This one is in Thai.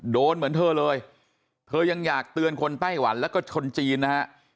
เหมือนเธอเลยเธอยังอยากเตือนคนไต้หวันแล้วก็คนจีนนะฮะ